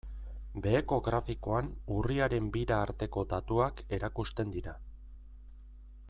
Beheko grafikoan urriaren bira arteko datuak erakusten dira.